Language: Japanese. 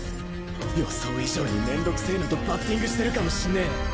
予想以上にめんどくせぇのとバッティングしてるかもしんねぇ。